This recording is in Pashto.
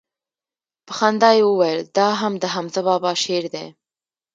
په خندا يې وويل دا هم دحمزه بابا شعر دىه.